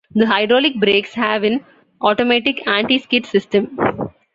The hydraulic brakes have an automatic anti-skid system.